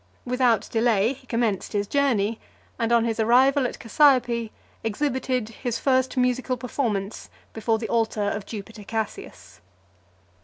Without delay he commenced his journey, and on his arrival at Cassiope , (352) exhibited his first musical performance before the altar of Jupiter Cassius.